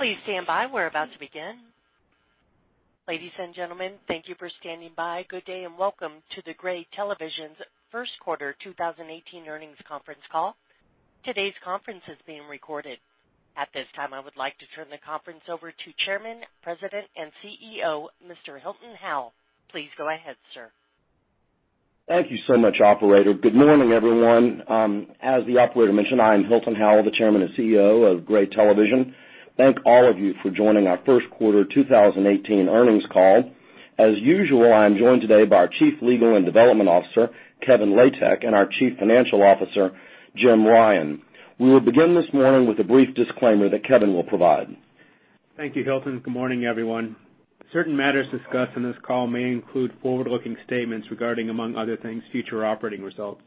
Please stand by. We're about to begin. Ladies and gentlemen, thank you for standing by. Good day, and welcome to the Gray Television's first quarter 2018 earnings conference call. Today's conference is being recorded. At this time, I would like to turn the conference over to Chairman, President, and CEO, Mr. Hilton Howell. Please go ahead, sir. Thank you so much, operator. Good morning, everyone. As the operator mentioned, I am Hilton Howell, the Chairman and CEO of Gray Television. Thank all of you for joining our first quarter 2018 earnings call. As usual, I'm joined today by our Chief Legal and Development Officer, Kevin Latek, and our Chief Financial Officer, Jim Ryan. We will begin this morning with a brief disclaimer that Kevin will provide. Thank you, Hilton. Good morning, everyone. Certain matters discussed on this call may include forward-looking statements regarding, among other things, future operating results.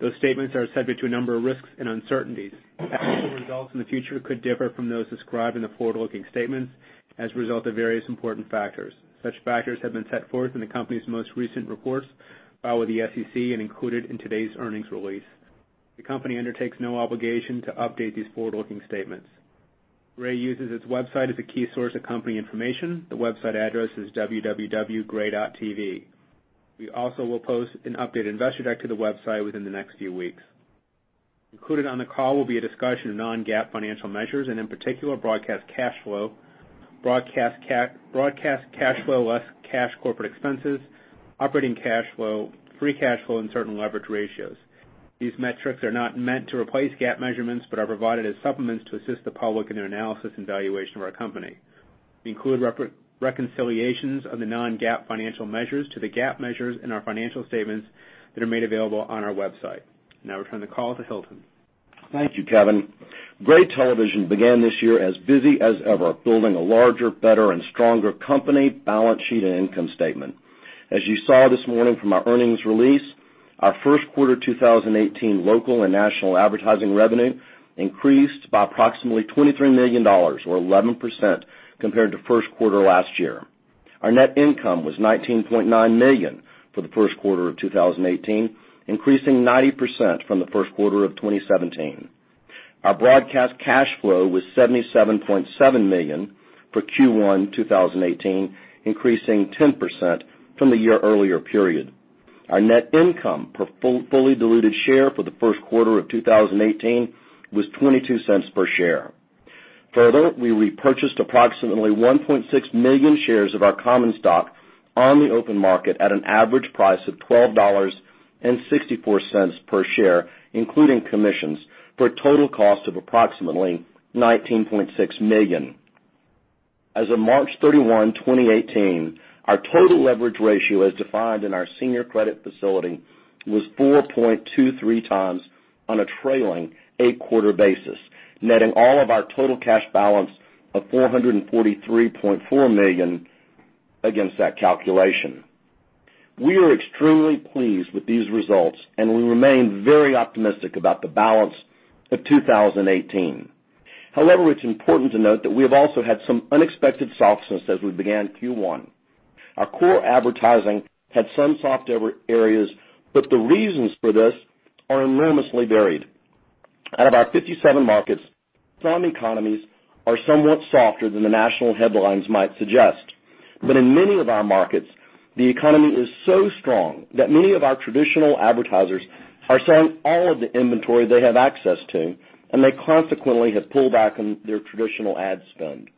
Those statements are subject to a number of risks and uncertainties. Actual results in the future could differ from those described in the forward-looking statements as a result of various important factors. Such factors have been set forth in the company's most recent reports filed with the SEC and included in today's earnings release. The company undertakes no obligation to update these forward-looking statements. Gray uses its website as a key source of company information. The website address is www.gray.tv. We also will post an updated investor deck to the website within the next few weeks. Included on the call will be a discussion of non-GAAP financial measures, and in particular, Broadcast Cash Flow, Broadcast Cash Flow less cash corporate expenses, Operating Cash Flow, Free Cash Flow, and certain leverage ratios. These metrics are not meant to replace GAAP measurements but are provided as supplements to assist the public in their analysis and valuation of our company. We turn the call to Hilton. Thank you, Kevin. Gray Television began this year as busy as ever, building a larger, better, and stronger company balance sheet and income statement. As you saw this morning from our earnings release, our first quarter 2018 local and national advertising revenue increased by approximately $23 million, or 11%, compared to first quarter last year. Our net income was $19.9 million for the first quarter of 2018, increasing 90% from the first quarter of 2017. Our Broadcast Cash Flow was $77.7 million for Q1 2018, increasing 10% from the year earlier period. Our net income per fully diluted share for the first quarter of 2018 was $0.22 per share. Further, we repurchased approximately 1.6 million shares of our common stock on the open market at an average price of $12.64 per share, including commissions, for a total cost of approximately $19.6 million. As of March 31, 2018, our total leverage ratio, as defined in our senior credit facility, was 4.23 times on a trailing eight quarter basis, netting all of our total cash balance of $443.4 million against that calculation. We are extremely pleased with these results, and we remain very optimistic about the balance of 2018. It's important to note that we have also had some unexpected softness as we began Q1. Our core advertising had some soft areas, but the reasons for this are enormously varied. Out of our 57 markets, some economies are somewhat softer than the national headlines might suggest. In many of our markets, the economy is so strong that many of our traditional advertisers are selling all of the inventory they have access to, and they consequently have pulled back on their traditional ad spend.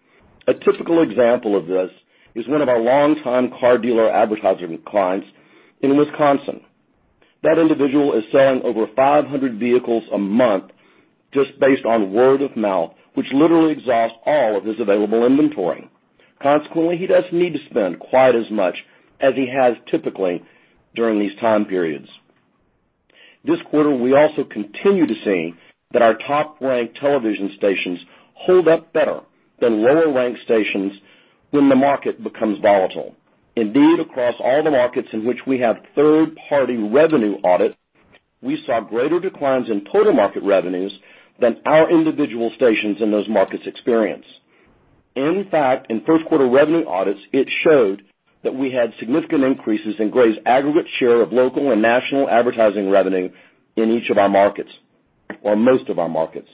A typical example of this is one of our longtime car dealer advertising clients in Wisconsin. That individual is selling over 500 vehicles a month just based on word of mouth, which literally exhausts all of his available inventory. Consequently, he doesn't need to spend quite as much as he has typically during these time periods. This quarter, we also continue to see that our top-ranked television stations hold up better than lower-ranked stations when the market becomes volatile. Indeed, across all the markets in which we have third-party revenue audit, we saw greater declines in total market revenues than our individual stations in those markets experience. In fact, in first quarter revenue audits, it showed that we had significant increases in Gray's aggregate share of local and national advertising revenue in each of our markets, or most of our markets.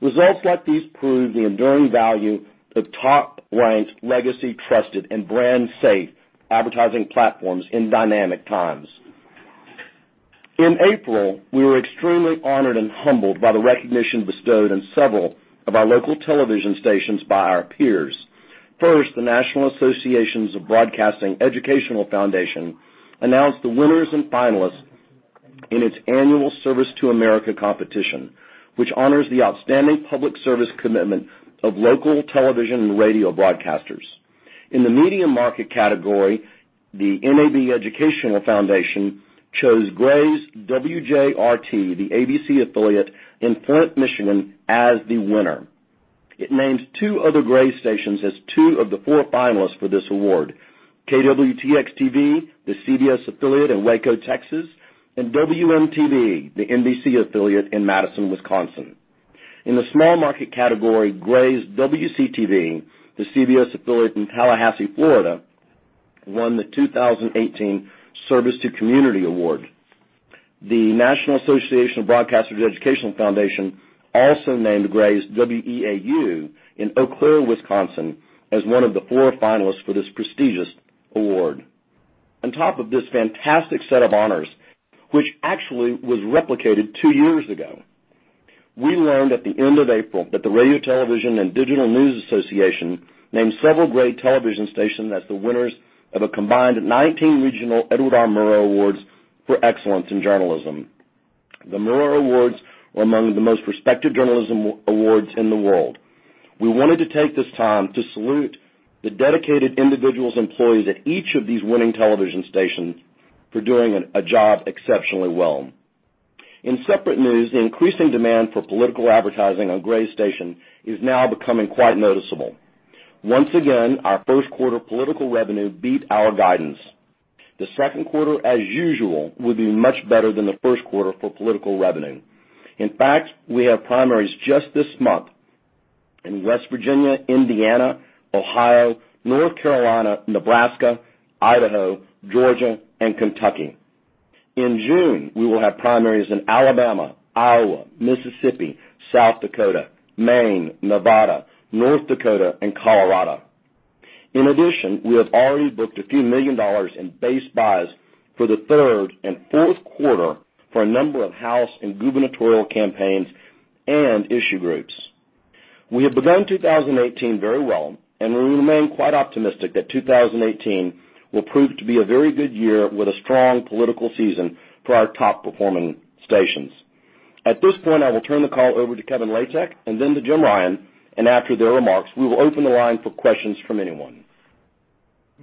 Results like these prove the enduring value of top ranked, legacy trusted, and brand safe advertising platforms in dynamic times. In April, we were extremely honored and humbled by the recognition bestowed on several of our local television stations by our peers. First, the National Association of Broadcasters Educational Foundation announced the winners and finalists in its annual Service to America Competition, which honors the outstanding public service commitment of local television and radio broadcasters. In the medium market category, the NAB Education Foundation chose Gray's WJRT-TV, the ABC affiliate in Flint, Michigan, as the winner. It named two other Gray stations as two of the four finalists for this award: KWTX-TV, the CBS affiliate in Waco, Texas, and WMTV, the NBC affiliate in Madison, Wisconsin. In the small market category, Gray's WCTV, the CBS affiliate in Tallahassee, Florida, won the 2018 Service to Community Award. The National Association of Broadcasters Educational Foundation also named Gray's WEAU in Eau Claire, Wisconsin, as one of the four finalists for this prestigious award. On top of this fantastic set of honors, which actually was replicated two years ago, we learned at the end of April that the Radio Television Digital News Association named several Gray television station as the winners of a combined 19 regional Edward R. Murrow Awards for excellence in journalism. The Murrow Awards are among the most respected journalism awards in the world. We wanted to take this time to salute the dedicated individuals employees at each of these winning television stations for doing a job exceptionally well. In separate news, the increasing demand for political advertising on Gray station is now becoming quite noticeable. Once again, our first quarter political revenue beat our guidance. The second quarter, as usual, will be much better than the first quarter for political revenue. In fact, we have primaries just this month in West Virginia, Indiana, Ohio, North Carolina, Nebraska, Idaho, Georgia, and Kentucky. In June, we will have primaries in Alabama, Iowa, Mississippi, South Dakota, Maine, Nevada, North Dakota, and Colorado. In addition, we have already booked a few million dollars in base buys for the third and fourth quarter for a number of House and gubernatorial campaigns and issue groups. We have begun 2018 very well, and we remain quite optimistic that 2018 will prove to be a very good year with a strong political season for our top-performing stations. At this point, I will turn the call over to Kevin Latek and then to Jim Ryan. After their remarks, we will open the line for questions from anyone.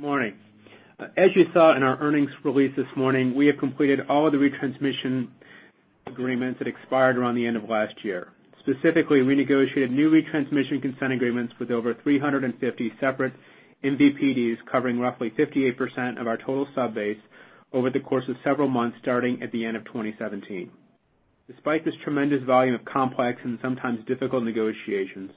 Morning. As you saw in our earnings release this morning, we have completed all of the retransmission agreements that expired around the end of last year. Specifically, we negotiated new retransmission consent agreements with over 350 separate MVPDs, covering roughly 58% of our total sub base over the course of several months starting at the end of 2017. Despite this tremendous volume of complex and sometimes difficult negotiations,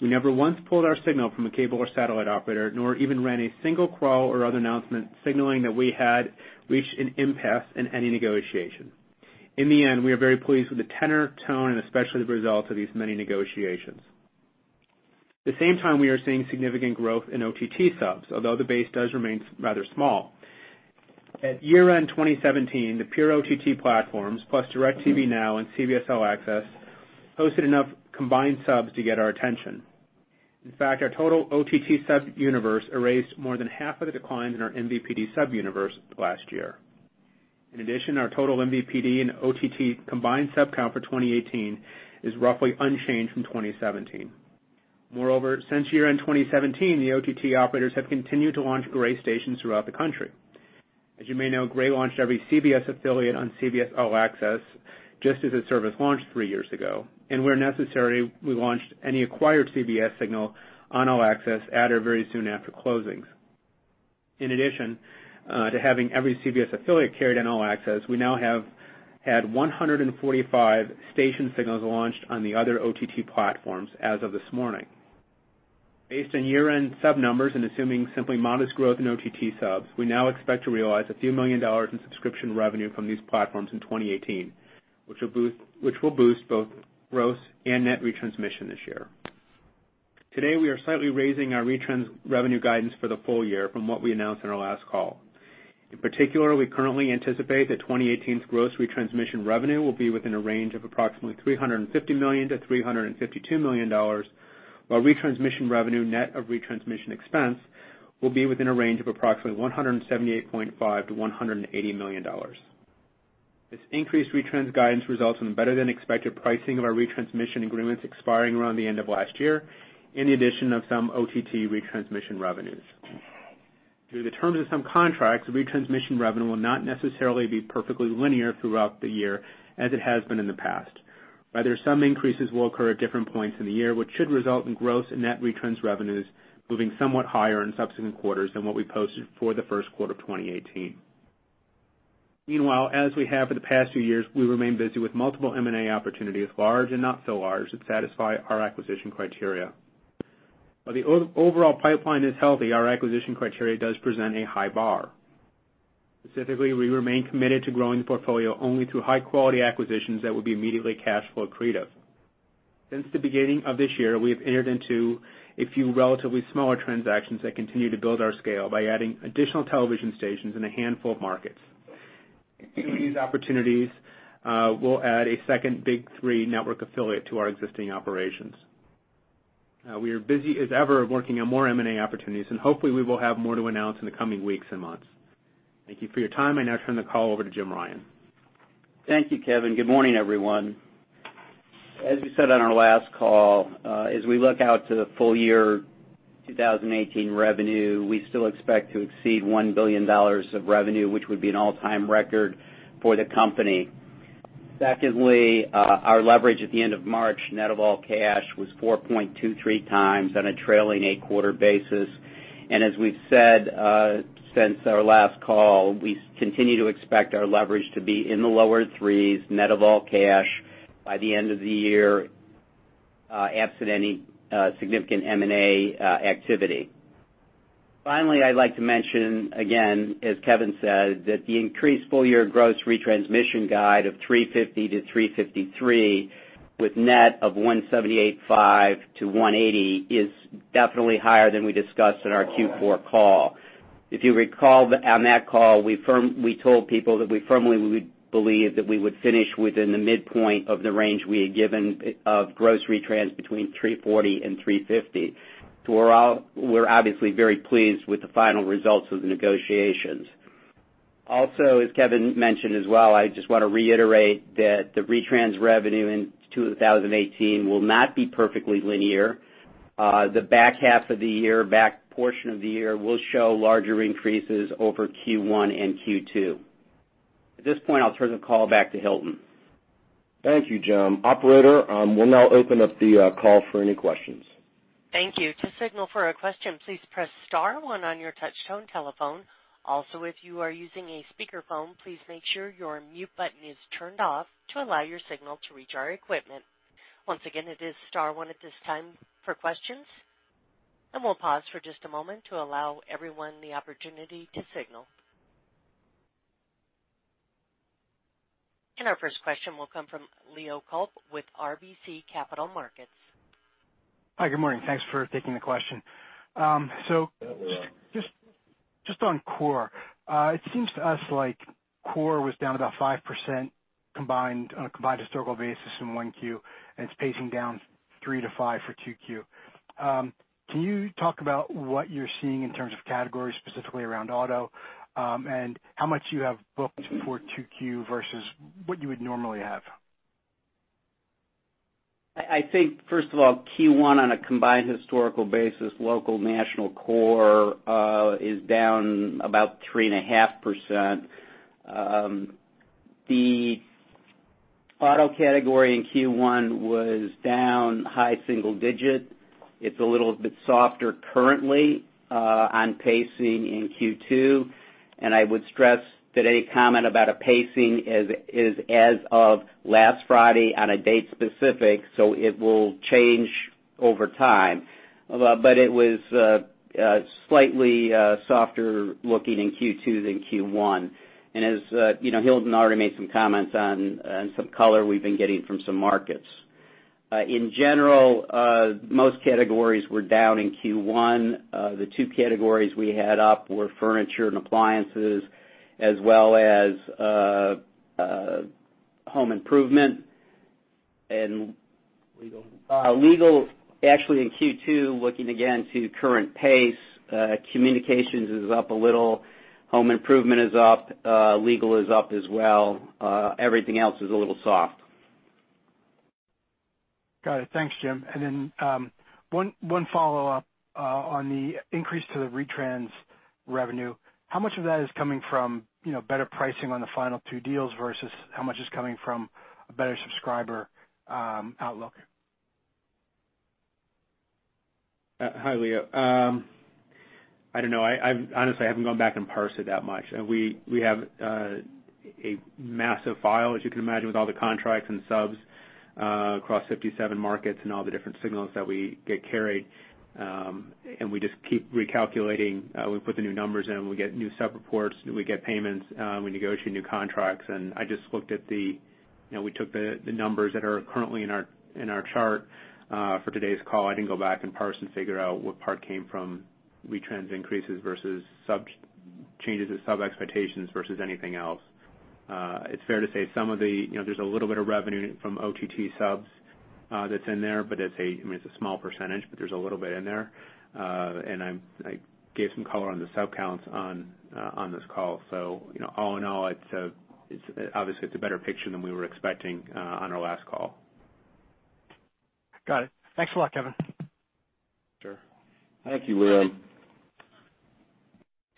we never once pulled our signal from a cable or satellite operator, nor even ran a single crawl or other announcement signaling that we had reached an impasse in any negotiation. In the end, we are very pleased with the tenor, tone, and especially the results of these many negotiations. At the same time, we are seeing significant growth in OTT subs, although the base does remain rather small. At year-end 2017, the pure OTT platforms, plus DirecTV Now and CBS All Access, hosted enough combined subs to get our attention. In fact, our total OTT sub universe erased more than half of the decline in our MVPD sub universe last year. In addition, our total MVPD and OTT combined sub count for 2018 is roughly unchanged from 2017. Moreover, since year-end 2017, the OTT operators have continued to launch Gray stations throughout the country. As you may know, Gray launched every CBS affiliate on CBS All Access just as its service launched three years ago, and where necessary, we launched any acquired CBS signal on All Access at or very soon after closings. In addition to having every CBS affiliate carried on All Access, we now have had 145 station signals launched on the other OTT platforms as of this morning. Based on year-end sub numbers and assuming simply modest growth in OTT subs, we now expect to realize a few million dollars in subscription revenue from these platforms in 2018, which will boost both gross and net retrans this year. Today, we are slightly raising our retrans revenue guidance for the full year from what we announced on our last call. In particular, we currently anticipate that 2018's gross retransmission revenue will be within a range of approximately $350 million-$353 million, while retransmission revenue net of retransmission expense will be within a range of approximately $178.5 million-$180 million. This increased retrans guidance results in better-than-expected pricing of our retransmission agreements expiring around the end of last year, in addition of some OTT retransmission revenues. Due to the terms of some contracts, retransmission revenue will not necessarily be perfectly linear throughout the year as it has been in the past. Rather, some increases will occur at different points in the year, which should result in gross and net retrans revenues moving somewhat higher in subsequent quarters than what we posted for the first quarter of 2018. Meanwhile, as we have for the past few years, we remain busy with multiple M&A opportunities, large and not so large, that satisfy our acquisition criteria. While the overall pipeline is healthy, our acquisition criteria does present a high bar. Specifically, we remain committed to growing the portfolio only through high-quality acquisitions that will be immediately cash flow accretive. Since the beginning of this year, we have entered into a few relatively smaller transactions that continue to build our scale by adding additional television stations in a handful of markets. Through these opportunities, we'll add a second Big Three network affiliate to our existing operations. We are busy as ever working on more M&A opportunities, and hopefully, we will have more to announce in the coming weeks and months. Thank you for your time. I now turn the call over to Jim Ryan. Thank you, Kevin. Good morning, everyone. As we said on our last call, as we look out to the full year 2018 revenue, we still expect to exceed $1 billion of revenue, which would be an all-time record for the company. Secondly, our leverage at the end of March, net of all cash, was 4.23 times on a trailing eight-quarter basis. As we've said since our last call, we continue to expect our leverage to be in the lower threes, net of all cash, by the end of the year, absent any significant M&A activity. Finally, I'd like to mention again, as Kevin said, that the increased full-year gross retransmission guide of $350 million-$353 million with net of $178.5 million-$180 million is definitely higher than we discussed in our Q4 call. If you recall, on that call, we told people that we firmly would believe that we would finish within the midpoint of the range we had given of gross retrans between $340 million and $350 million. We're obviously very pleased with the final results of the negotiations. Also, as Kevin mentioned as well, I just want to reiterate that the retrans revenue in 2018 will not be perfectly linear. The back half of the year, back portion of the year, will show larger increases over Q1 and Q2. At this point, I'll turn the call back to Hilton. Thank you, Jim. Operator, we'll now open up the call for any questions. Thank you. To signal for a question, please press star one on your touch-tone telephone. Also, if you are using a speakerphone, please make sure your mute button is turned off to allow your signal to reach our equipment. Once again, it is star one at this time for questions. We'll pause for just a moment to allow everyone the opportunity to signal. Our first question will come from Leo Kulp with RBC Capital Markets. Hi, good morning. Thanks for taking the question. You bet, Leo. Just on core, it seems to us like core was down about 5% on a combined historical basis in 1Q, and it's pacing down three to five for 2Q. Can you talk about what you're seeing in terms of categories, specifically around auto, and how much you have booked for 2Q versus what you would normally have? I think, first of all, Q1 on a combined historical basis, local, national core, is down about 3.5%. The auto category in Q1 was down high single digit. It's a little bit softer currently on pacing in Q2. I would stress that any comment about a pacing is as of last Friday on a date specific, so it will change over time. It was slightly softer looking in Q2 than Q1. As you know, Hilton already made some comments on some color we've been getting from some markets. In general, most categories were down in Q1. The two categories we had up were furniture and appliances as well as home improvement. Legal. Legal, actually in Q2, looking again to current pace, communications is up a little, home improvement is up, legal is up as well. Everything else is a little soft. Got it. Thanks, Jim. Then, one follow-up on the increase to the retrans revenue. How much of that is coming from better pricing on the final two deals versus how much is coming from a better subscriber outlook? Hi, Leo. I don't know. Honestly, I haven't gone back and parsed it that much. We have a massive file, as you can imagine, with all the contracts and subs across 57 markets and all the different signals that we get carried. We just keep recalculating. We put the new numbers in, we get new sub reports, we get payments, we negotiate new contracts. We took the numbers that are currently in our chart for today's call. I didn't go back and parse and figure out what part came from retrans increases versus changes in sub expectations versus anything else. It's fair to say there's a little bit of revenue from OTT subs that's in there, but it's a small %, but there's a little bit in there. I gave some color on the sub counts on this call. All in all, obviously it's a better picture than we were expecting on our last call. Got it. Thanks a lot, Kevin. Sure. Thank you, Leo.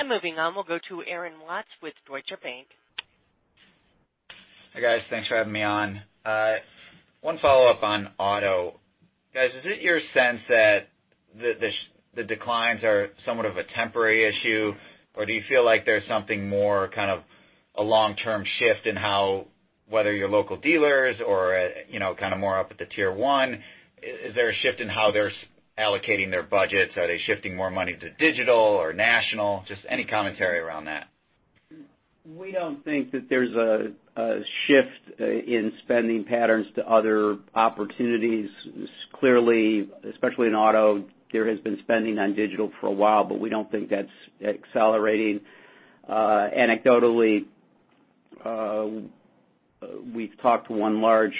Moving on, we'll go to Aaron Watts with Deutsche Bank. Hi, guys. Thanks for having me on. One follow-up on auto. Guys, is it your sense that the declines are somewhat of a temporary issue, or do you feel like there's something more kind of a long-term shift in how, whether you're local dealers or kind of more up at the tier 1, is there a shift in how they're allocating their budgets? Are they shifting more money to digital or national? Just any commentary around that. We don't think that there's a shift in spending patterns to other opportunities. Clearly, especially in auto, there has been spending on digital for a while, but we don't think that's accelerating. Anecdotally, we've talked to one large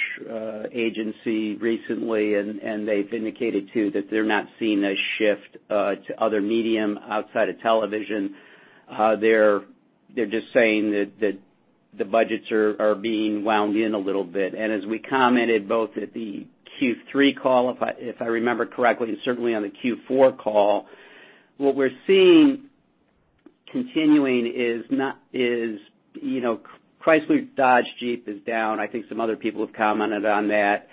agency recently, and they've indicated, too, that they're not seeing a shift to other medium outside of television. They're just saying that the budgets are being wound in a little bit. As we commented both at the Q3 call, if I remember correctly, and certainly on the Q4 call, what we're seeing continuing is Chrysler, Dodge, Jeep is down. I think some other people have commented on that.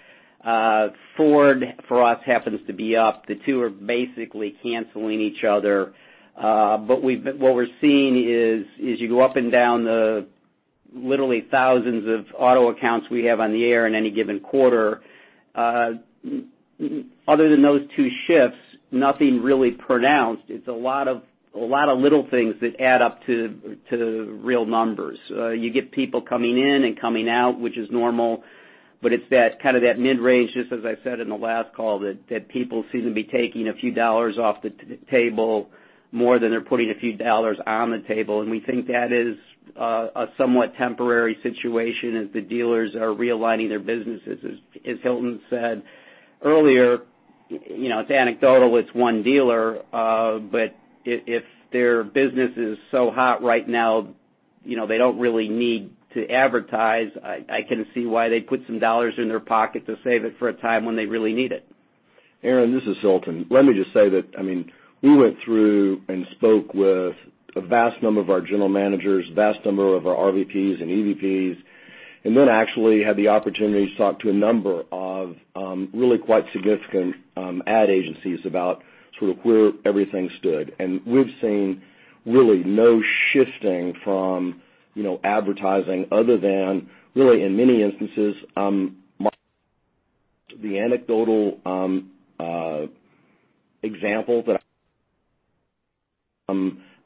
Ford, for us, happens to be up. The two are basically canceling each other. What we're seeing is you go up and down the Literally thousands of auto accounts we have on the air in any given quarter. Other than those two shifts, nothing really pronounced. It's a lot of little things that add up to real numbers. You get people coming in and coming out, which is normal, but it's that mid-range, just as I said in the last call, that people seem to be taking a few dollars off the table more than they're putting a few dollars on the table. We think that is a somewhat temporary situation as the dealers are realigning their businesses. As Hilton said earlier, it's anecdotal, it's one dealer, but if their business is so hot right now, they don't really need to advertise. I can see why they'd put some dollars in their pocket to save it for a time when they really need it. Aaron, this is Hilton. Let me just say, we went through and spoke with a vast number of our general managers, vast number of our RVPs and EVPs, and then actually had the opportunity to talk to a number of really quite significant ad agencies about where everything stood. We've seen really no shifting from advertising other than really, in many instances, the anecdotal example that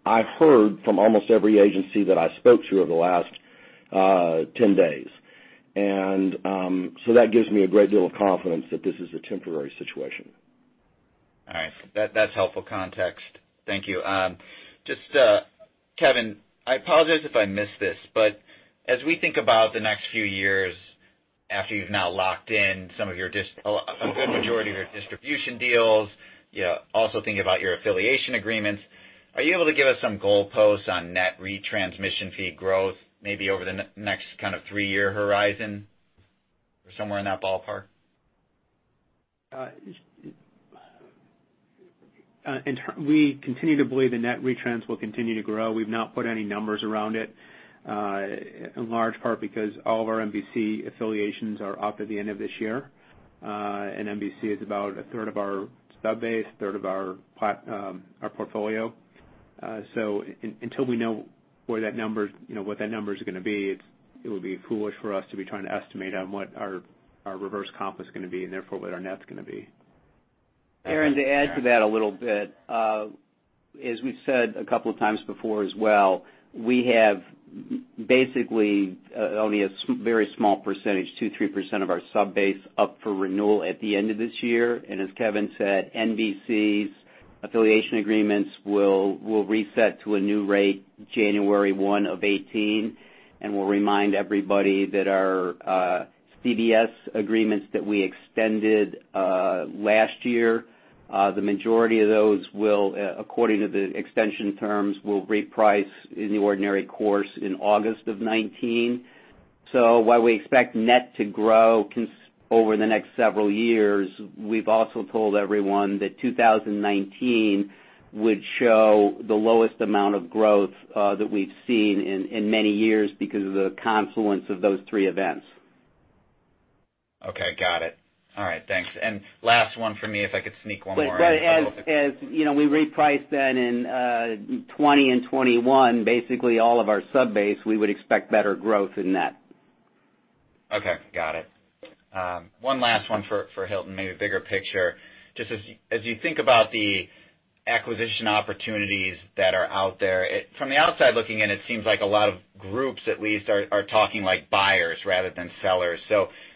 I've heard from almost every agency that I spoke to over the last 10 days. So that gives me a great deal of confidence that this is a temporary situation. All right. That's helpful context. Thank you. Kevin, I apologize if I missed this, as we think about the next few years after you've now locked in a good majority of your distribution deals, also thinking about your affiliation agreements, are you able to give us some goalposts on net retransmission fee growth, maybe over the next three-year horizon or somewhere in that ballpark? We continue to believe the net retrans will continue to grow. We've not put any numbers around it, in large part because all of our NBC affiliations are up at the end of this year. NBC is about a third of our sub base, a third of our portfolio. Until we know what that number's going to be, it would be foolish for us to be trying to estimate on what our reverse comp is going to be, and therefore, what our net's going to be. Aaron, to add to that a little bit, as we've said a couple of times before as well, we have basically only a very small percentage, 2%, 3% of our sub base up for renewal at the end of this year. As Kevin said, NBC's affiliation agreements will reset to a new rate January 1, 2018, and we'll remind everybody that our CBS agreements that we extended last year, the majority of those will, according to the extension terms, will reprice in the ordinary course in August 2019. While we expect net to grow over the next several years, we've also told everyone that 2019 would show the lowest amount of growth that we've seen in many years because of the confluence of those three events. Okay, got it. All right, thanks. Last one for me, if I could sneak one more in. As we reprice then in 2020 and 2021, basically all of our sub base, we would expect better growth in that. Okay, got it. One last one for Hilton, maybe bigger picture. Just as you think about the acquisition opportunities that are out there, from the outside looking in, it seems like a lot of groups, at least, are talking like buyers rather than sellers.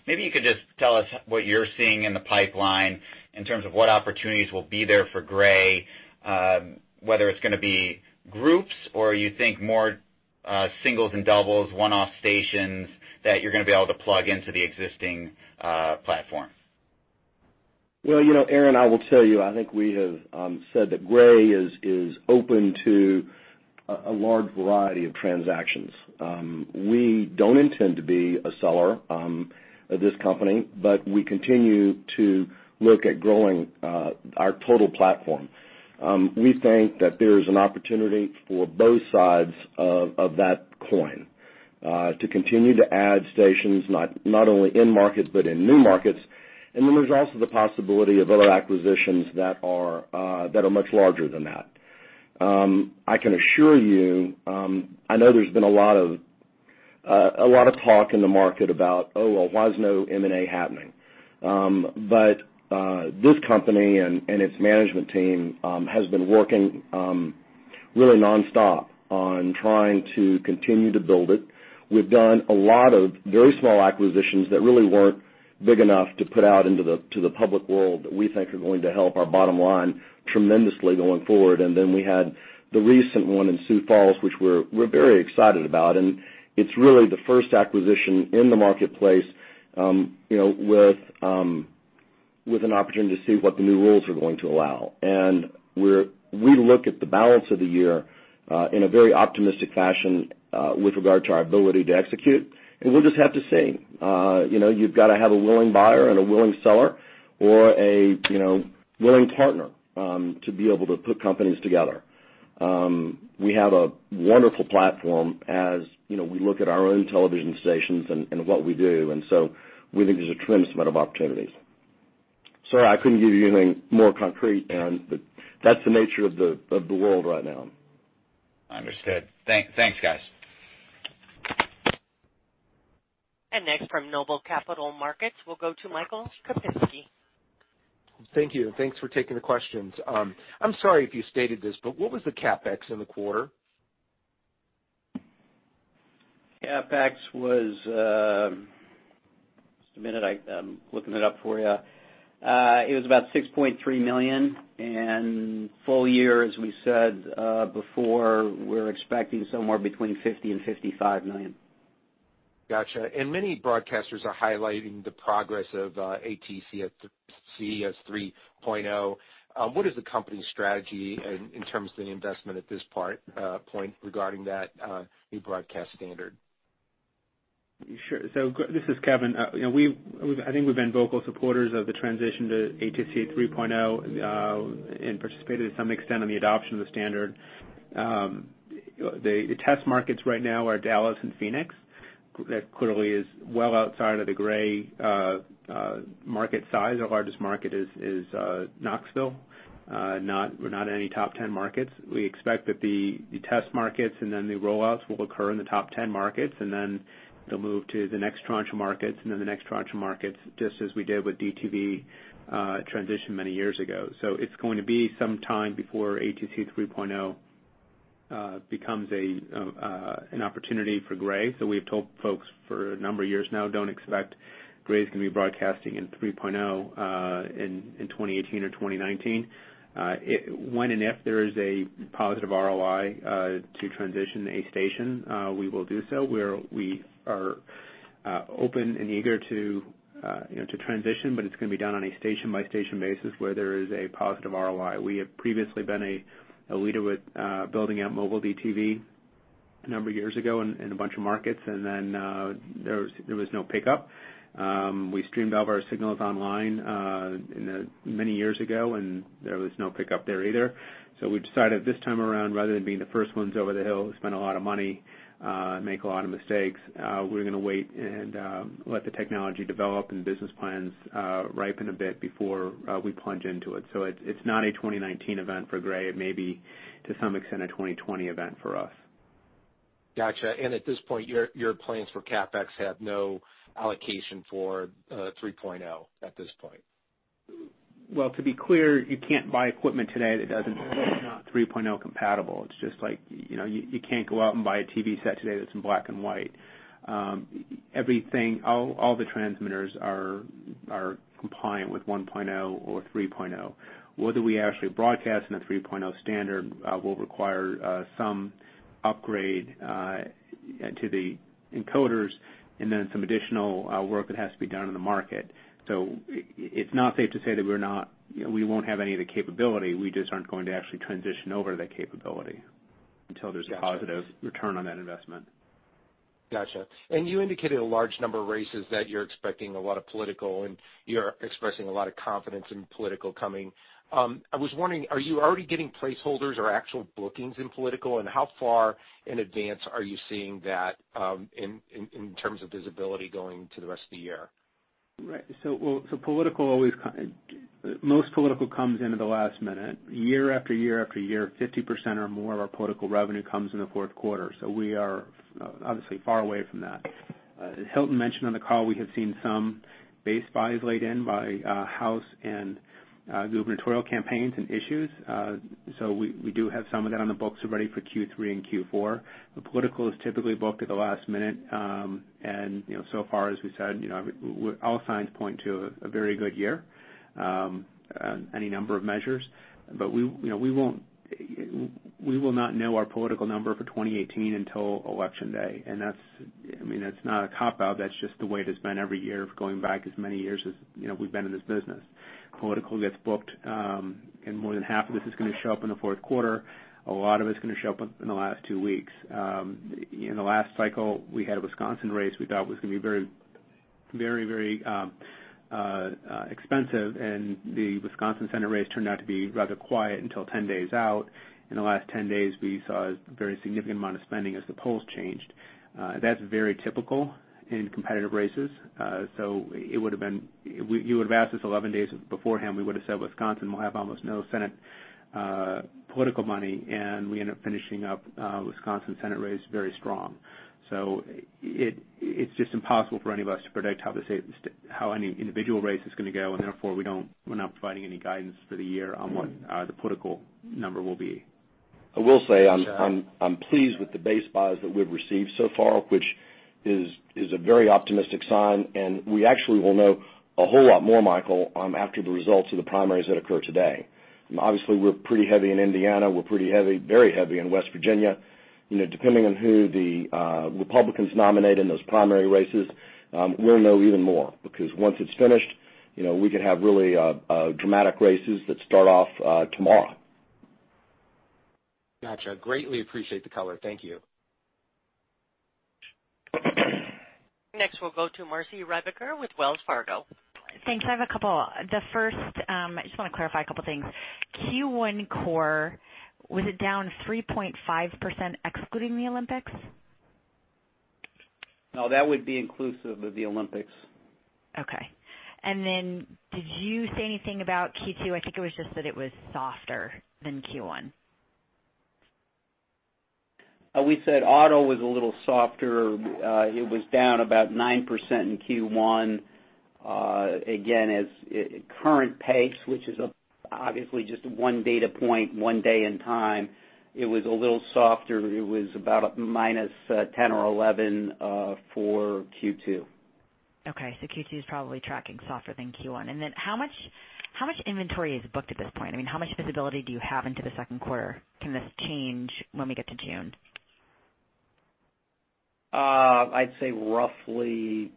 Maybe you could just tell us what you're seeing in the pipeline in terms of what opportunities will be there for Gray, whether it's going to be groups or you think more singles and doubles, one-off stations that you're going to be able to plug into the existing platform. Well, Aaron, I will tell you, I think we have said that Gray is open to a large variety of transactions. We don't intend to be a seller of this company, but we continue to look at growing our total platform. We think that there's an opportunity for both sides of that coin to continue to add stations, not only in markets but in new markets. There's also the possibility of other acquisitions that are much larger than that. I can assure you, I know there's been a lot of talk in the market about, "Oh, well, why is no M&A happening?" This company and its management team has been working really nonstop on trying to continue to build it. We've done a lot of very small acquisitions that really weren't big enough to put out into the public world that we think are going to help our bottom line tremendously going forward. We had the recent one in Sioux Falls, which we're very excited about, and it's really the first acquisition in the marketplace with an opportunity to see what the new rules are going to allow. We look at the balance of the year in a very optimistic fashion with regard to our ability to execute, and we'll just have to see. You've got to have a willing buyer and a willing seller or a willing partner to be able to put companies together. We have a wonderful platform as we look at our own television stations and what we do, and so we think there's a tremendous amount of opportunities. Sorry I couldn't give you anything more concrete, Aaron, but that's the nature of the world right now. Understood. Thanks, guys. Next from Noble Capital Markets, we'll go to Michael Kopinski. Thank you, thanks for taking the questions. I'm sorry if you stated this, what was the CapEx in the quarter? CapEx was, just a minute, I'm looking it up for you. It was about $6.3 million. Full year, as we said before, we're expecting somewhere between $50 million and $55 million. Got you. Many broadcasters are highlighting the progress of ATSC 3.0. What is the company's strategy in terms of the investment at this point regarding that new broadcast standard? Sure. This is Kevin. I think we've been vocal supporters of the transition to ATSC 3.0, and participated to some extent on the adoption of the standard. The test markets right now are Dallas and Phoenix. That clearly is well outside of the Gray market size. Our largest market is Knoxville. We're not in any top 10 markets. We expect that the test markets and then the roll-outs will occur in the top 10 markets, and then they'll move to the next tranche of markets, and then the next tranche of markets, just as we did with DTV transition many years ago. It's going to be some time before ATSC 3.0 becomes an opportunity for Gray. We've told folks for a number of years now, don't expect Gray's going to be broadcasting in 3.0, in 2018 or 2019. When and if there is a positive ROI to transition a station, we will do so, where we are open and eager to transition, but it's going to be done on a station-by-station basis where there is a positive ROI. We have previously been a leader with building out mobile DTV a number of years ago in a bunch of markets, and then there was no pickup. We streamed all of our signals online many years ago, and there was no pickup there either. We decided this time around, rather than being the first ones over the hill, spend a lot of money, make a lot of mistakes, we're going to wait and let the technology develop and the business plans ripen a bit before we plunge into it. It's not a 2019 event for Gray. It may be, to some extent, a 2020 event for us. Got you. At this point, your plans for CapEx have no allocation for 3.0 at this point? Well, to be clear, you can't buy equipment today that is not 3.0 compatible. It's just like, you can't go out and buy a TV set today that's in black and white. Everything, all the transmitters are compliant with 1.0 or 3.0. Whether we actually broadcast in a 3.0 standard will require some upgrade to the encoders and then some additional work that has to be done in the market. It's not safe to say that we won't have any of the capability. We just aren't going to actually transition over to that capability until there's a positive return on that investment. Got you. You indicated a large number of races that you're expecting a lot of political, and you're expressing a lot of confidence in political coming. I was wondering, are you already getting placeholders or actual bookings in political, and how far in advance are you seeing that in terms of visibility going into the rest of the year? Right. Most political comes in at the last minute. Year after year after year, 50% or more of our political revenue comes in the fourth quarter. We are obviously far away from that. As Hilton mentioned on the call, we have seen some base buys laid in by House and gubernatorial campaigns and issues. We do have some of that on the books already for Q3 and Q4. Political is typically booked at the last minute. So far, as we said, all signs point to a very good year on any number of measures. We will not know our political number for 2018 until Election Day. That's not a cop-out, that's just the way it has been every year going back as many years as we've been in this business. Political gets booked, and more than half of this is going to show up in the fourth quarter. A lot of it's going to show up in the last two weeks. In the last cycle, we had a Wisconsin race we thought was going to be very, very expensive, and the Wisconsin Senate race turned out to be rather quiet until 10 days out. In the last 10 days, we saw a very significant amount of spending as the polls changed. That's very typical in competitive races. If you would've asked us 11 days beforehand, we would've said Wisconsin will have almost no Senate political money, and we end up finishing up Wisconsin Senate race very strong. It's just impossible for any of us to predict how any individual race is going to go, and therefore, we're not providing any guidance for the year on what the political number will be. I will say I'm pleased with the base buys that we've received so far, which is a very optimistic sign, and we actually will know a whole lot more, Michael, after the results of the primaries that occur today. Obviously, we're pretty heavy in Indiana. We're pretty heavy, very heavy in West Virginia. Depending on who the Republicans nominate in those primary races, we'll know even more because once it's finished, we could have really dramatic races that start off tomorrow. Got you. Greatly appreciate the color. Thank you. Next, we'll go to Marci Ryvicker with Wells Fargo. Thanks. I have a couple. I just want to clarify a couple of things. Q1 core, was it down 3.5% excluding the Olympics? No, that would be inclusive of the Olympics. Okay. Did you say anything about Q2? I think it was just that it was softer than Q1. We said auto was a little softer. It was down about 9% in Q1. Again, at current pace, which is obviously just one data point, one day and time, it was a little softer. It was about minus 10 or 11 for Q2. Q2 is probably tracking softer than Q1. How much inventory is booked at this point? How much visibility do you have into the second quarter? Can this change when we get to June? I'd say roughly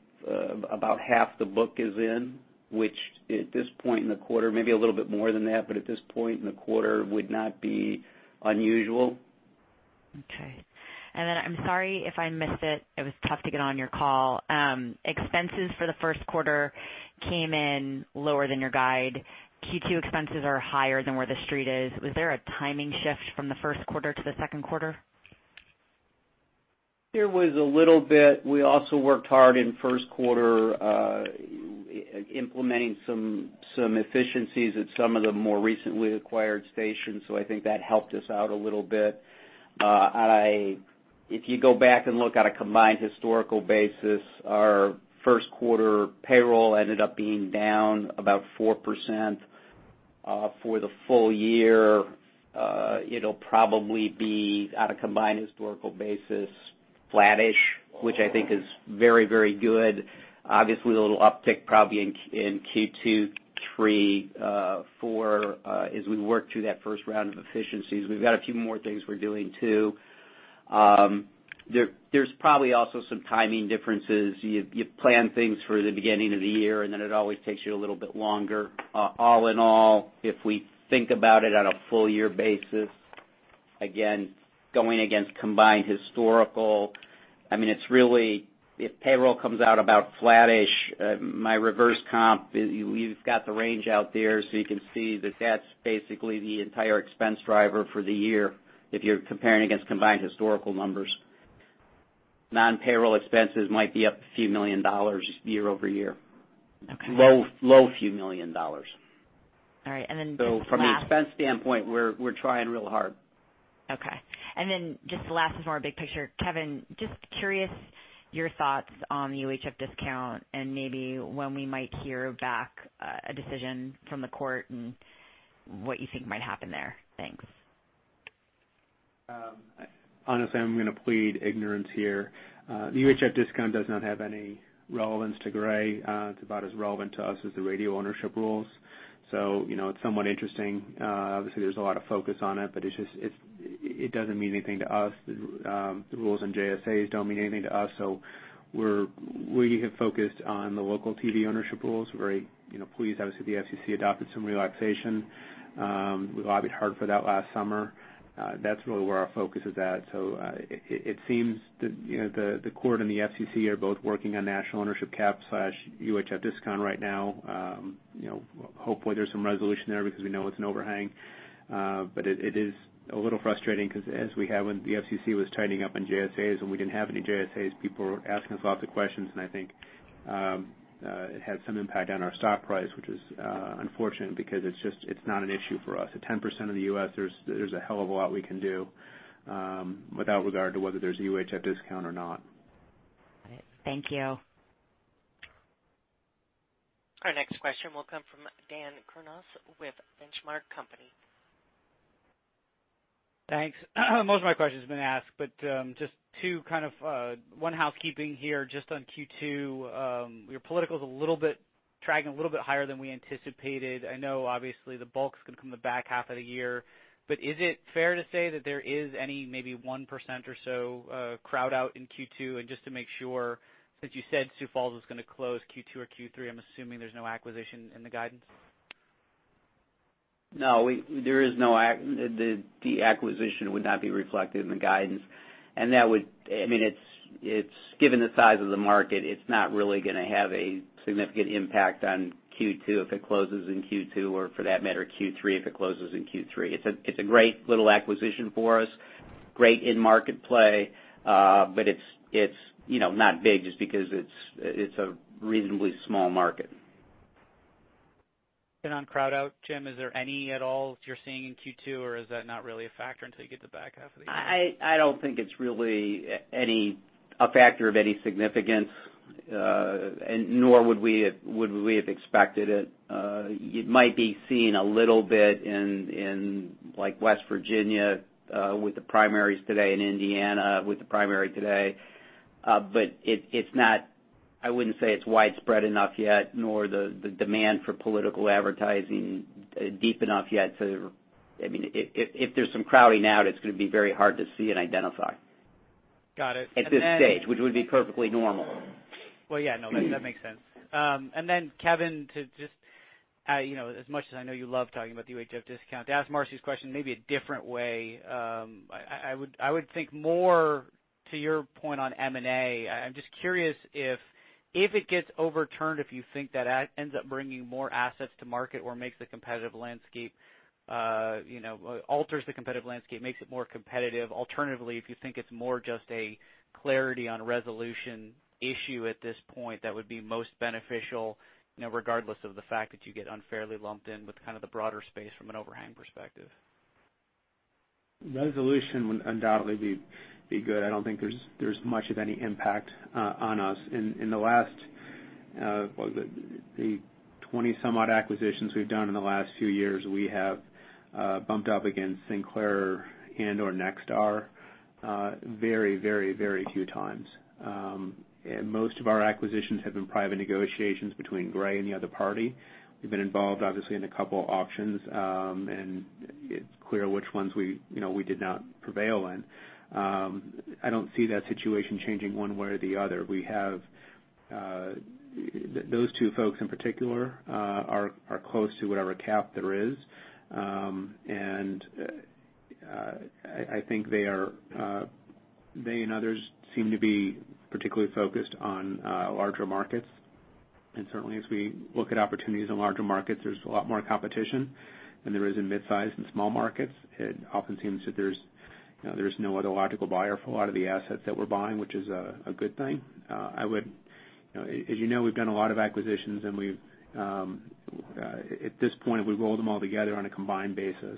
about half the book is in, which at this point in the quarter, maybe a little bit more than that, but at this point in the quarter would not be unusual. I'm sorry if I missed it. It was tough to get on your call. Expenses for the first quarter came in lower than your guide. Q2 expenses are higher than where the street is. Was there a timing shift from the first quarter to the second quarter? There was a little bit. We also worked hard in the first quarter implementing some efficiencies at some of the more recently acquired stations, so I think that helped us out a little bit. If you go back and look at a combined historical basis, our first quarter payroll ended up being down about 4%. For the full year, it'll probably be, on a combined historical basis, flattish, which I think is very good. Obviously, a little uptick probably in Q2, three, four, as we work through that first round of efficiencies. We've got a few more things we're doing, too. There's probably also some timing differences. You plan things for the beginning of the year, and then it always takes you a little bit longer. All in all, if we think about it on a full-year basis, again, going against combined historical, if payroll comes out about flattish, my reverse comp, you've got the range out there. You can see that's basically the entire expense driver for the year if you're comparing against combined historical numbers. Non-payroll expenses might be up a few million dollars year-over-year. Okay. Low few million dollars. All right. Just last- From the expense standpoint, we're trying real hard. Okay. Then just the last is more big picture. Kevin, just curious your thoughts on the UHF discount and maybe when we might hear back a decision from the court and what you think might happen there. Thanks. Honestly, I'm going to plead ignorance here. The UHF discount does not have any relevance to Gray. It's about as relevant to us as the radio ownership rules. It's somewhat interesting. Obviously, there's a lot of focus on it, but it doesn't mean anything to us. The rules on JSAs don't mean anything to us, we have focused on the local TV ownership rules. We're very pleased, obviously, the FCC adopted some relaxation. We lobbied hard for that last summer. That's really where our focus is at. It seems the court and the FCC are both working on national ownership cap/UHF discount right now. Hopefully, there's some resolution there because we know it's an overhang. It is a little frustrating because as we have when the FCC was tightening up on JSAs, and we didn't have any JSAs, people were asking us lots of questions, and I think it had some impact on our stock price, which is unfortunate because it's not an issue for us. At 10% of the U.S., there's a hell of a lot we can do, without regard to whether there's a UHF discount or not. All right. Thank you. Our next question will come from Dan Kurnos with Benchmark Company. Thanks. Most of my questions have been asked, just two, kind of one housekeeping here just on Q2. Your political is tracking a little bit higher than we anticipated. I know obviously the bulk's going to come in the back half of the year, but is it fair to say that there is any, maybe 1% or so, crowd out in Q2? Just to make sure, since you said Sioux Falls was going to close Q2 or Q3, I'm assuming there's no acquisition in the guidance? No, the acquisition would not be reflected in the guidance. Given the size of the market, it's not really going to have a significant impact on Q2 if it closes in Q2, or for that matter, Q3 if it closes in Q3. It's a great little acquisition for us, great in-market play. It's not big just because it's a reasonably small market. On crowd out, Jim, is there any at all that you're seeing in Q2, or is that not really a factor until you get to the back half of the year? I don't think it's really a factor of any significance, nor would we have expected it. You might be seeing a little bit in West Virginia with the primaries today, in Indiana with the primary today. I wouldn't say it's widespread enough yet, nor the demand for political advertising deep enough yet. If there's some crowding out, it's going to be very hard to see and identify. Got it. At this stage, which would be perfectly normal. Well, yeah, no, that makes sense. Kevin, as much as I know you love talking about the UHF discount, to ask Marci's question maybe a different way, I would think more to your point on M&A. I'm just curious if it gets overturned, if you think that ends up bringing more assets to market or alters the competitive landscape, makes it more competitive. Alternatively, if you think it's more just a clarity on resolution issue at this point, that would be most beneficial, regardless of the fact that you get unfairly lumped in with the broader space from an overhang perspective. Resolution would undoubtedly be good. I don't think there's much of any impact on us. In the last, what was it? The 20 some odd acquisitions we've done in the last few years, we have bumped up against Sinclair and/or Nexstar very few times. Most of our acquisitions have been private negotiations between Gray and the other party. We've been involved, obviously, in a couple auctions, and it's clear which ones we did not prevail in. I don't see that situation changing one way or the other. Those two folks in particular, are close to whatever cap there is. I think they and others seem to be particularly focused on larger markets. Certainly as we look at opportunities in larger markets, there's a lot more competition than there is in midsize and small markets. It often seems that there's no other logical buyer for a lot of the assets that we're buying, which is a good thing. As you know, we've done a lot of acquisitions, and at this point, we roll them all together on a combined basis.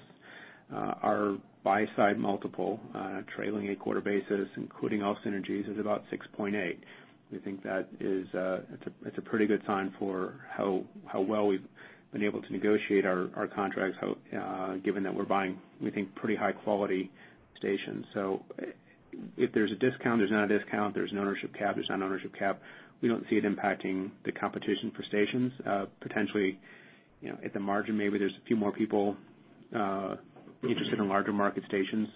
Our buy-side multiple, trailing a quarter basis, including all synergies, is about 6.8. We think that it's a pretty good sign for how well we've been able to negotiate our contracts, given that we're buying, we think, pretty high-quality stations. If there's a discount, there's not a discount, there's an ownership cap, there's not ownership cap, we don't see it impacting the competition for stations. Potentially at the margin, maybe there's a few more people interested in larger market stations.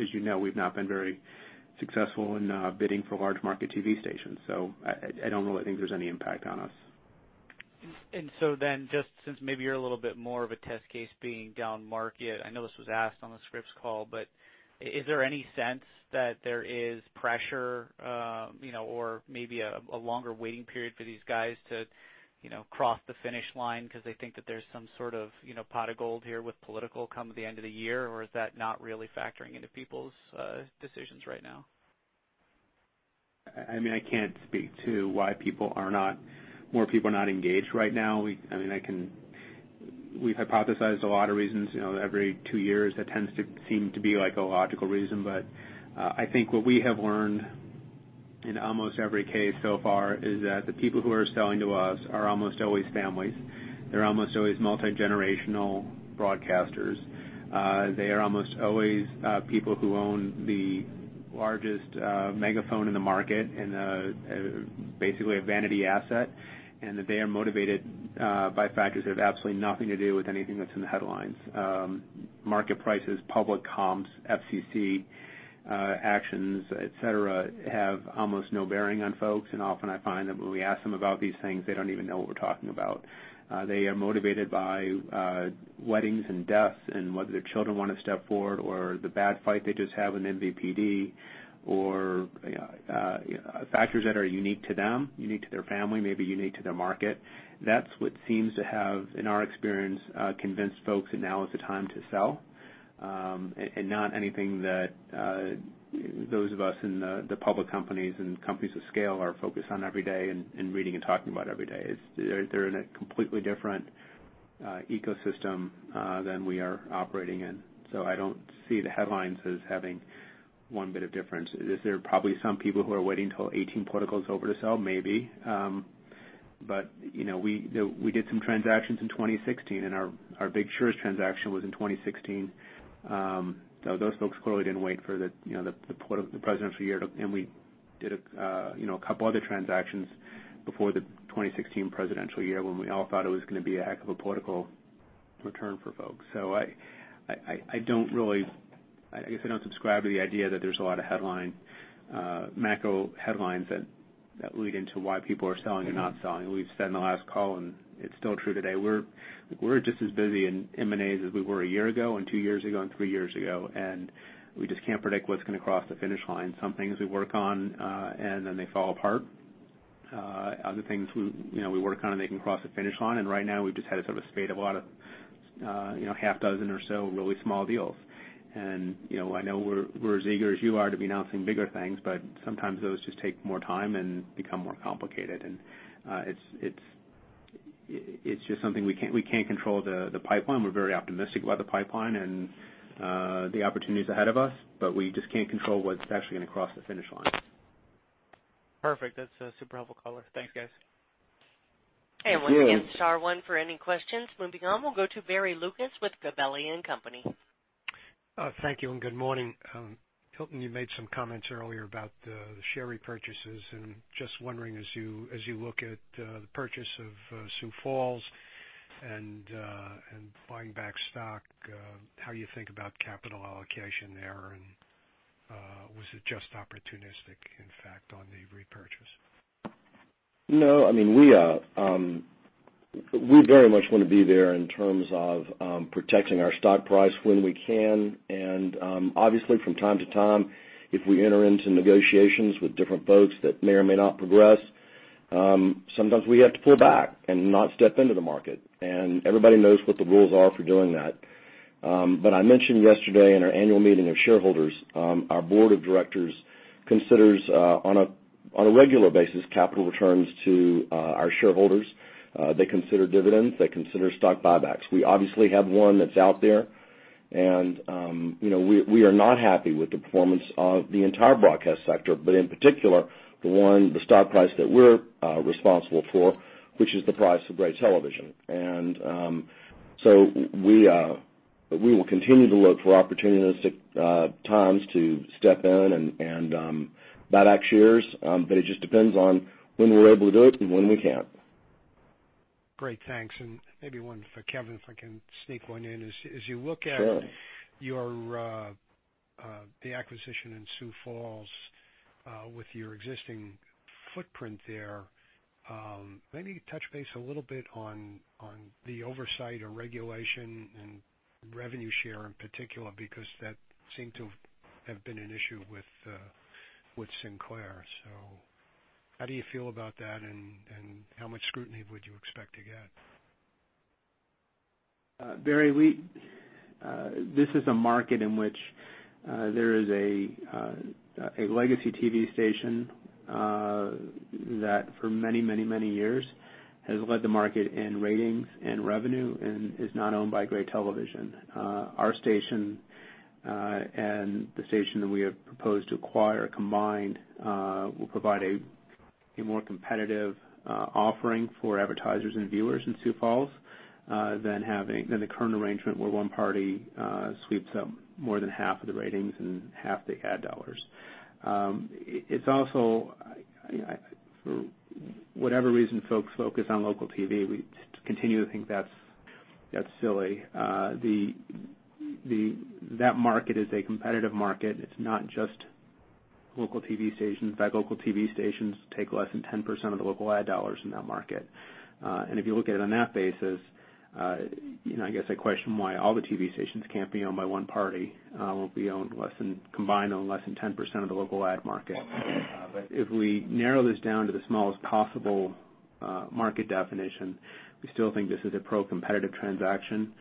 As you know, we've not been very successful in bidding for large market TV stations, I don't really think there's any impact on us. Just since maybe you're a little bit more of a test case being down market, I know this was asked on the Scripps call, is there any sense that there is pressure, or maybe a longer waiting period for these guys to cross the finish line because they think that there's some sort of pot of gold here with political come at the end of the year? Is that not really factoring into people's decisions right now? I can't speak to why more people are not engaged right now. We've hypothesized a lot of reasons. Every two years, that tends to seem to be like a logical reason. I think what we have learned in almost every case so far is that the people who are selling to us are almost always families. They're almost always multi-generational broadcasters. They are almost always people who own the largest megaphone in the market in basically a vanity asset, and that they are motivated by factors that have absolutely nothing to do with anything that's in the headlines. Market prices, public comms, FCC actions, et cetera, have almost no bearing on folks. Often I find that when we ask them about these things, they don't even know what we're talking about. They are motivated by weddings and deaths and whether their children want to step forward or the bad fight they just had with MVPD or factors that are unique to them, unique to their family, maybe unique to their market. That's what seems to have, in our experience, convinced folks that now is the time to sell, and not anything that those of us in the public companies and companies of scale are focused on every day and reading and talking about every day. They're in a completely different ecosystem than we are operating in. I don't see the headlines as having one bit of difference. Is there probably some people who are waiting till 2018 political's over to sell? Maybe. We did some transactions in 2016, and our big shares transaction was in 2016. Those folks clearly didn't wait for the presidential year to. We did a couple other transactions before the 2016 presidential year when we all thought it was going to be a heck of a political return for folks. I guess I don't subscribe to the idea that there's a lot of macro headlines that lead into why people are selling or not selling. We've said in the last call, and it's still true today, we're just as busy in M&As as we were a year ago and two years ago and three years ago, we just can't predict what's going to cross the finish line. Some things we work on, then they fall apart. Other things we work on, and they can cross the finish line. Right now, we've just had a spate of a lot of half dozen or so really small deals. I know we're as eager as you are to be announcing bigger things, sometimes those just take more time and become more complicated. It's just something we can't control the pipeline. We're very optimistic about the pipeline and the opportunities ahead of us, we just can't control what's actually going to cross the finish line. Perfect. That's a super helpful color. Thanks, guys. Once again, star one for any questions. Moving on, we'll go to Barry Lucas with Gabelli & Company. Thank you, and good morning. Hilton, you made some comments earlier about the share repurchases, and just wondering as you look at the purchase of Sioux Falls and buying back stock, how you think about capital allocation there, and was it just opportunistic, in fact, on the repurchase? No, we are We very much want to be there in terms of protecting our stock price when we can. Obviously, from time to time, if we enter into negotiations with different folks that may or may not progress, sometimes we have to pull back and not step into the market. Everybody knows what the rules are for doing that. I mentioned yesterday in our annual meeting of shareholders, our board of directors considers, on a regular basis, capital returns to our shareholders. They consider dividends. They consider stock buybacks. We obviously have one that's out there, and we are not happy with the performance of the entire broadcast sector, but in particular, the one, the stock price that we're responsible for, which is the price of Gray Television. We will continue to look for opportunistic times to step in and buy back shares, but it just depends on when we're able to do it and when we can't. Great. Thanks. Maybe one for Kevin, if I can sneak one in. Sure. As you look at the acquisition in Sioux Falls with your existing footprint there, maybe touch base a little bit on the oversight or regulation and revenue share in particular, because that seemed to have been an issue with Sinclair. How do you feel about that, and how much scrutiny would you expect to get? Barry, this is a market in which there is a legacy TV station that for many years has led the market in ratings and revenue and is not owned by Gray Television. Our station and the station that we have proposed to acquire combined will provide a more competitive offering for advertisers and viewers in Sioux Falls than the current arrangement where one party sweeps up more than half of the ratings and half the ad dollars. For whatever reason, folks focus on local TV. We continue to think that's silly. That market is a competitive market. It's not just local TV stations. In fact, local TV stations take less than 10% of the local ad dollars in that market. If you look at it on that basis, I guess I question why all the TV stations can't be owned by one party, will be combined own less than 10% of the local ad market. If we narrow this down to the smallest possible market definition, we still think this is a pro-competitive transaction.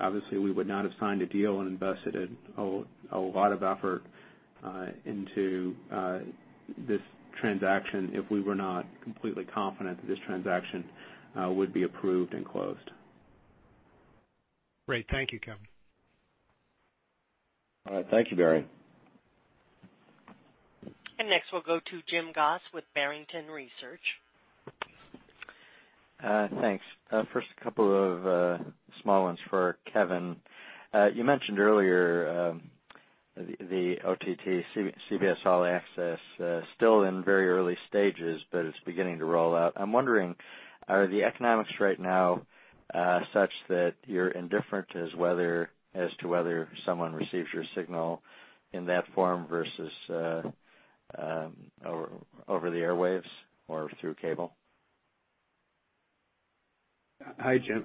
Obviously, we would not have signed a deal and invested a whole lot of effort into this transaction if we were not completely confident that this transaction would be approved and closed. Great. Thank you, Kevin. All right. Thank you, Barry. Next, we'll go to Jim Goss with Barrington Research. Thanks. First, a couple of small ones for Kevin. You mentioned earlier the OTT CBS All Access, still in very early stages, but it's beginning to roll out. I'm wondering, are the economics right now such that you're indifferent as to whether someone receives your signal in that form versus over the airwaves or through cable? Hi, Jim.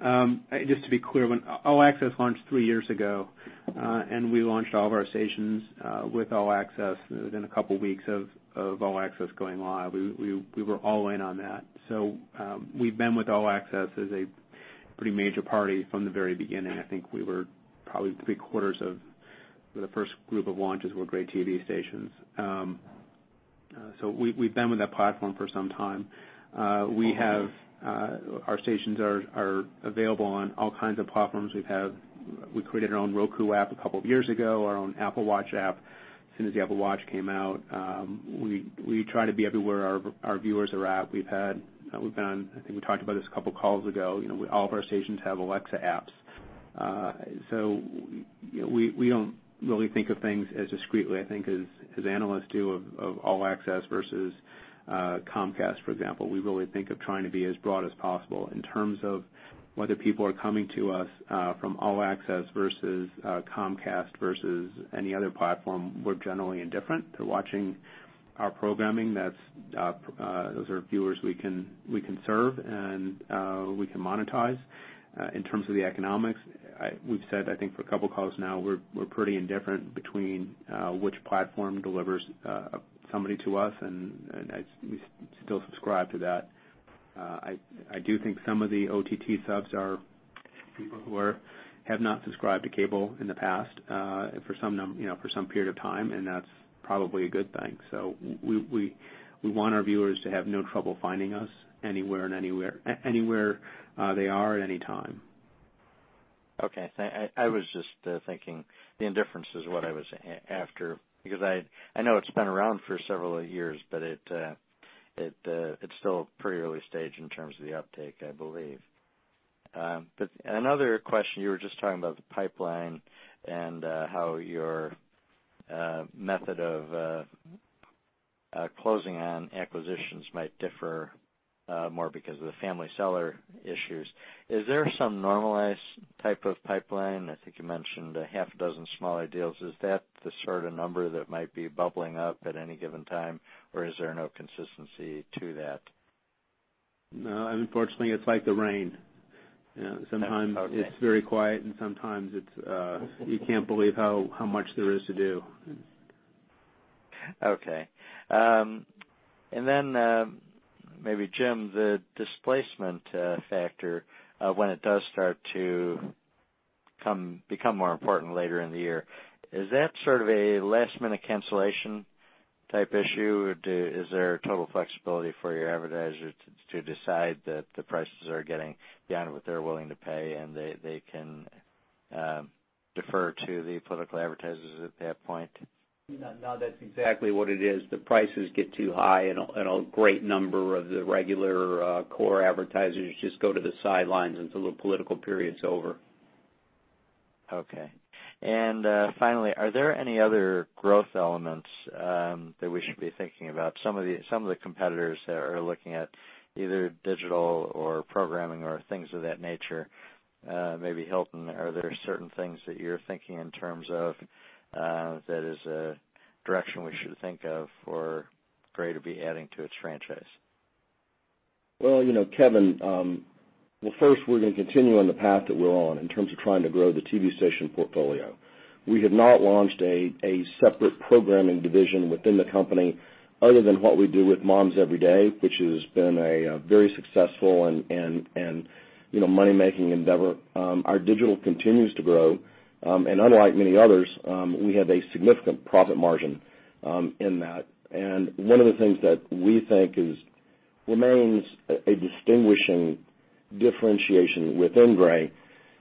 Just to be clear, All Access launched three years ago, and we launched all of our stations with All Access within a couple of weeks of All Access going live. We were all in on that. We've been with All Access as a pretty major party from the very beginning. I think we were probably three-quarters of the first group of launches were Gray TV stations. We've been with that platform for some time. Our stations are available on all kinds of platforms. We created our own Roku app a couple of years ago, our own Apple Watch app as soon as the Apple Watch came out. We try to be everywhere our viewers are at. I think we talked about this a couple of calls ago. All of our stations have Alexa apps. We don't really think of things as discretely, I think as analysts do of All Access versus Comcast, for example. We really think of trying to be as broad as possible. In terms of whether people are coming to us from All Access versus Comcast versus any other platform, we're generally indifferent. They're watching our programming. Those are viewers we can serve, and we can monetize. In terms of the economics, we've said, I think for a couple of calls now, we're pretty indifferent between which platform delivers somebody to us, and we still subscribe to that. I do think some of the OTT subs are people who have not subscribed to cable in the past for some period of time, and that's probably a good thing. We want our viewers to have no trouble finding us anywhere they are at any time. Okay. I was just thinking the indifference is what I was after because I know it's been around for several years, but it's still pretty early stage in terms of the uptake, I believe. Another question, you were just talking about the pipeline and how your method of closing on acquisitions might differ more because of the family seller issues. Is there some normalized type of pipeline? I think you mentioned a half a dozen smaller deals. Is that the sort of number that might be bubbling up at any given time, or is there no consistency to that? No, unfortunately, it's like the rain. Sometimes it's very quiet, and sometimes you can't believe how much there is to do. Okay. Maybe Jim, the displacement factor when it does start to become more important later in the year, is that sort of a last-minute cancellation type issue? Is there total flexibility for your advertisers to decide that the prices are getting beyond what they're willing to pay, and they can defer to the political advertisers at that point? No, that's exactly what it is. The prices get too high, and a great number of the regular core advertisers just go to the sidelines until the political period's over. Okay. Finally, are there any other growth elements that we should be thinking about? Some of the competitors are looking at either digital or programming or things of that nature. Maybe Hilton, are there certain things that you're thinking in terms of that is a direction we should think of for Gray to be adding to its franchise? Well, Kevin, first, we're going to continue on the path that we're on in terms of trying to grow the TV station portfolio. We have not launched a separate programming division within the company other than what we do with MomsEveryday, which has been a very successful and money-making endeavor. Unlike many others, we have a significant profit margin in that. One of the things that we think remains a distinguishing differentiation within Gray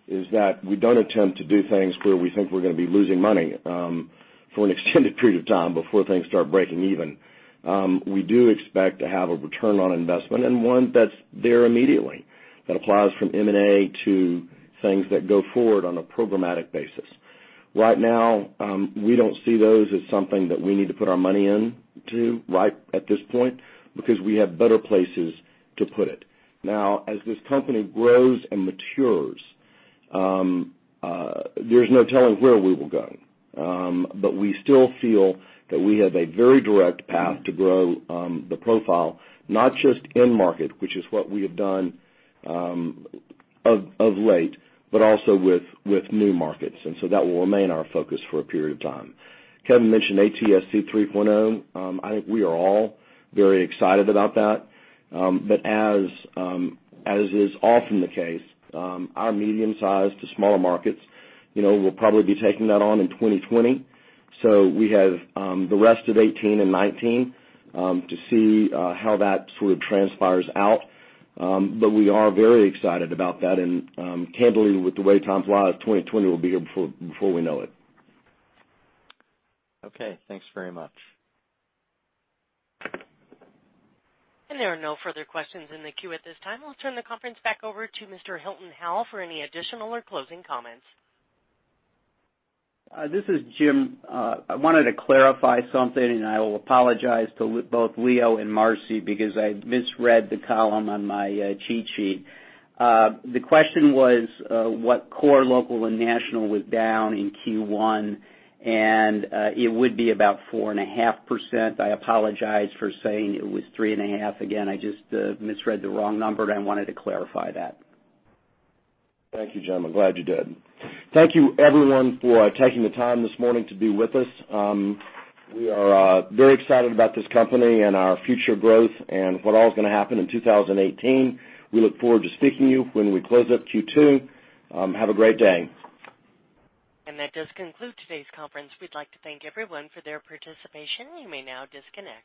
is that we don't attempt to do things where we think we're going to be losing money for an extended period of time before things start breaking even. We do expect to have a return on investment and one that's there immediately. That applies from M&A to things that go forward on a programmatic basis. Right now, we don't see those as something that we need to put our money into right at this point because we have better places to put it. As this company grows and matures, there's no telling where we will go. We still feel that we have a very direct path to grow the profile, not just in market, which is what we have done of late, but also with new markets, that will remain our focus for a period of time. Kevin mentioned ATSC 3.0. I think we are all very excited about that. As is often the case, our medium-sized to smaller markets will probably be taking that on in 2020. We have the rest of 2018 and 2019 to see how that sort of transpires out. We are very excited about that, candidly, with the way time flies, 2020 will be here before we know it. Okay. Thanks very much. There are no further questions in the queue at this time. I'll turn the conference back over to Mr. Hilton Howell for any additional or closing comments. This is Jim. I wanted to clarify something, and I will apologize to both Leo and Marci because I misread the column on my cheat sheet. The question was what core local and national was down in Q1, and it would be about 4.5%. I apologize for saying it was 3.5%. Again, I just misread the wrong number, and I wanted to clarify that. Thank you, Jim. I'm glad you did. Thank you, everyone, for taking the time this morning to be with us. We are very excited about this company and our future growth and what all's going to happen in 2018. We look forward to speaking to you when we close up Q2. Have a great day. That does conclude today's conference. We'd like to thank everyone for their participation. You may now disconnect.